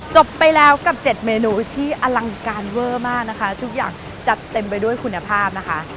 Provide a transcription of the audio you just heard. จบไปแล้วกับเจ็ดเมนูที่อลังการเวอร์มากนะคะทุกอย่างจัดเต็มไปด้วยคุณภาพนะคะ